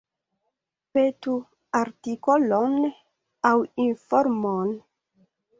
Petu artikolon aŭ informon.